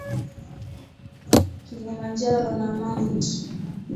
Kilimanjaro na Mt.